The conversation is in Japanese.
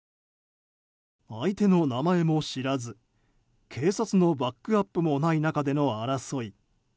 相手の名前も知らず警察のバックアップもない中での争い。